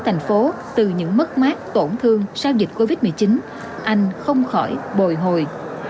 bà cô từ những mất mát tổn thương sau dịch covid một mươi chín anh không khỏi bồi hồi